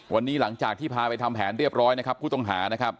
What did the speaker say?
วันนี้หลังจากที่พาไปทำแผนเรียบร้อยนะครับผู้ต้องหานะครับ